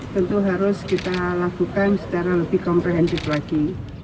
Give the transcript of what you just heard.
tentu harus kita lakukan secara lebih komprehensif lagi